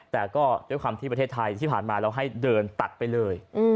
แต่ก็ด้วยความที่ประเทศไทยที่ผ่านมาเราให้เดินตัดไปเลย